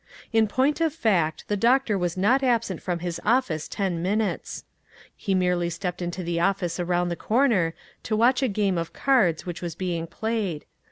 In point of fact, the doctor was not absent from his office ten minutes. He merely stepped into the office around the corner to watch a game of cards which was being played.